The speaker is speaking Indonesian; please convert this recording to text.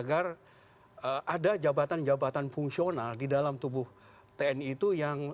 agar ada jabatan jabatan fungsional di dalam tubuh tni itu yang